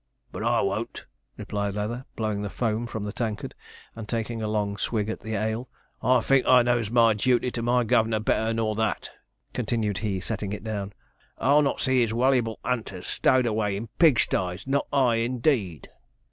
'But I won't,' replied Leather, blowing the foam from the tankard, and taking a long swig at the ale. 'I thinks I knows my duty to my gov'nor better nor that,' continued he, setting it down. 'I'll not see his waluable 'unters stowed away in pigsties not I, indeed.'